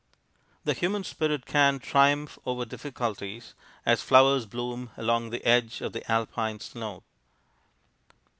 The human spirit can triumph over difficulties, as flowers bloom along the edge of the Alpine snow.